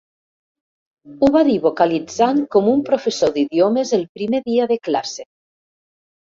Ho va dir vocalitzant com un professor d'idiomes el primer dia de classe.